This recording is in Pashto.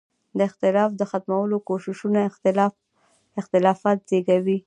د اختلاف د ختمولو کوششونه اختلافات زېږوي.